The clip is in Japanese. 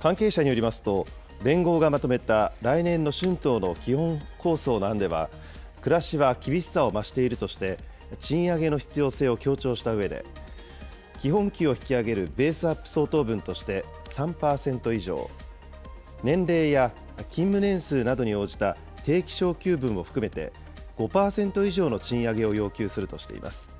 関係者によりますと、連合がまとめた来年の春闘の基本構想の案では、暮らしは厳しさを増しているとして、賃上げの必要性を強調したうえで、基本給を引き上げるベースアップ相当分として３％以上、年齢や勤務年数などに応じた定期昇給分を含めて５％以上の賃上げを要求するとしています。